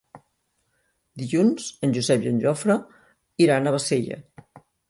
Dilluns en Josep i en Jofre iran a Bassella.